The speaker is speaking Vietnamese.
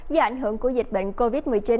do ảnh hưởng của dịch bệnh covid một mươi chín